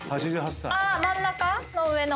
あ真ん中の上の。